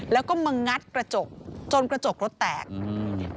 แล้วก็มางัดกระจกจนกระจกรถแตกอืม